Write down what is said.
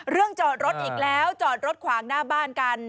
จอดรถอีกแล้วจอดรถขวางหน้าบ้านกัน